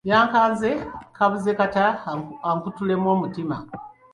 Yankanze kaabuze kata ankutulemu omutima.